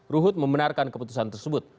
ruhut membenarkan keputusan tersebut